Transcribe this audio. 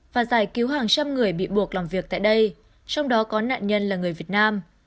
và giải cứu hàng trăm người bị buộc làm việc tại đây trong đó có nạn nhân là người việt nam